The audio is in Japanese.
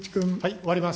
終わります。